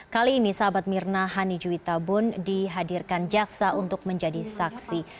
kali ini sahabat mirna hani juitabun dihadirkan jaksa untuk menjadi saksi